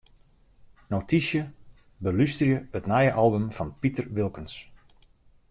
Notysje: Belústerje it nije album fan Piter Wilkens.